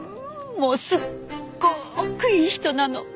もうすっごくいい人なの。